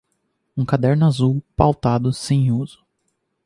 Um caderno azul, pautado e sem uso.